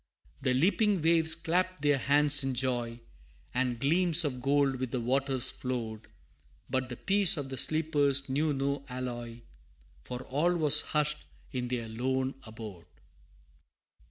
The leaping waves clapped their hands in joy, And gleams of gold with the waters flowed, But the peace of the sleepers knew no alloy, For all was hushed in their lone abode!